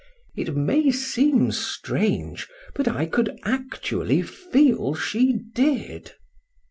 —It may seem strange, but I could actually feel she did.